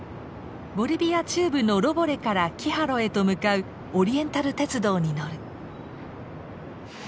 ボリビア中部のロボレからキハロへと向かうオリエンタル鉄道に乗る。